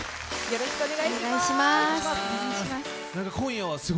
よろしくお願いします。